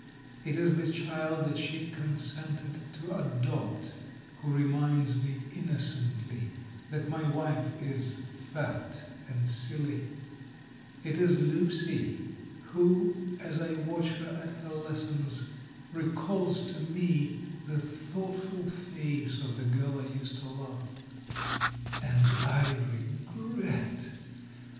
It is the child that she consented to adopt who reminds me innocently that my wife is fat and silly; it is Lucy, who, as I watch her at her lessons, recalls to me the thoughtful face of the girl I used to love. And A RE\^RIE 367 I regret